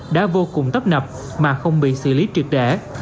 đã vô cùng tấp nập mà không bị xử lý triệt đẻ